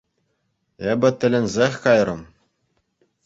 Эпӗ тӗлӗнсех кайрӑм.